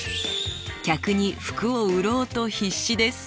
客に服を売ろうと必死です。